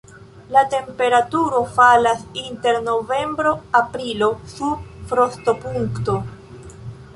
La temperaturo falas inter novembro-aprilo sub frostopunkto.